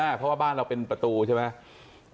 เพราะว่าบ้านเราเป็นประตูใช่ไหม